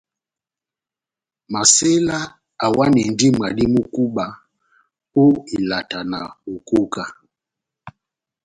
Masela awanindi mwadi mú kúba ó ilata na bokóká.